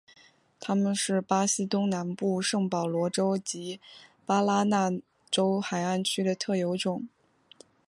它们是巴西东南部圣保罗州及巴拉那州海岸区的特有种。